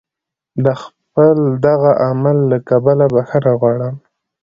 د خپل دغه عمل له کبله بخښنه وغواړي.